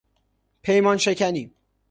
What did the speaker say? پیمانشکنی